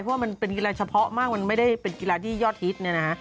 เพราะว่ามันเป็นกีฬารักบี้เฉพาะมากมันไม่ได้เป็นกีฬารักบี้ที่ยอดฮิตนะฮะ